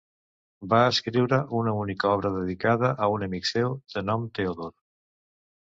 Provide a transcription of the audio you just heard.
Va escriure una única obra dedicada a un amic seu de nom Teodor.